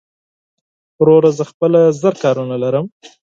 وروره زه خپله زر کارونه لرم